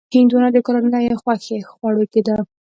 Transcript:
هندوانه د کورنیو خوښې خوړو کې ده.